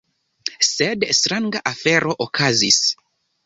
Sed stranga afero okazis.